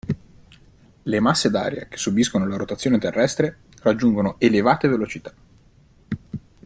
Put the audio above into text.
Le masse d'aria che subiscono la rotazione terrestre raggiungono elevate velocità.